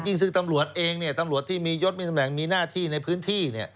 จริงสิทธิ์ตำรวจเองเนี่ยตำรวจที่มียดมีแหลงมีหน้าที่ในพื้นที่เนี่ย